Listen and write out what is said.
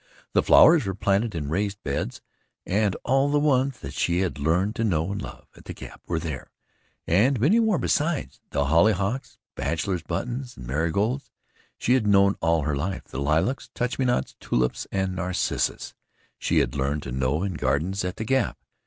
The flowers were planted in raised beds, and all the ones that she had learned to know and love at the Gap were there, and many more besides. The hollyhocks, bachelor's buttons and marigolds she had known all her life. The lilacs, touch me nots, tulips and narcissus she had learned to know in gardens at the Gap.